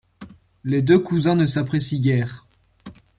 Les deux cousins ne s'apprécient guère.